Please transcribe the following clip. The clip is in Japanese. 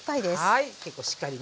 はい。